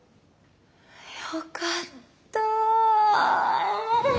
よかったあ。